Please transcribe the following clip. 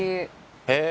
へえ。